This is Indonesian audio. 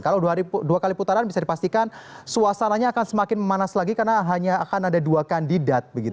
kalau dua kali putaran bisa dipastikan suasananya akan semakin memanas lagi karena hanya akan ada dua kandidat begitu